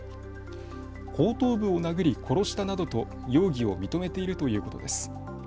後頭部を殴り殺したなどと容疑を認めているということです。